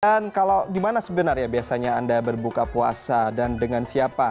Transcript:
dan kalau gimana sebenarnya biasanya anda berbuka puasa dan dengan siapa